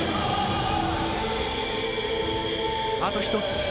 あと一つ。